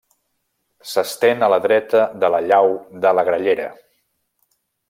S'estén a la dreta de la llau de la Grallera.